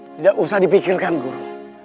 tidak usah dipikirkan guru